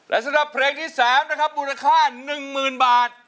และสำหรับเพลงที่๓นะครับมูลค่า๑๐๐๐บาท